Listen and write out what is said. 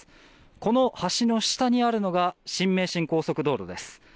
この橋の下にあるのが新名神高速道路です。